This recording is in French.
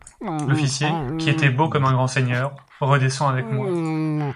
L'officier, qui était beau comme un grand seigneur, redescend avec moi.